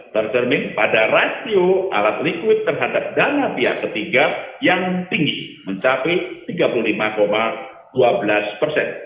tercermin pada rasio alat liquid terhadap dana pihak ketiga yang tinggi mencapai tiga puluh lima dua belas persen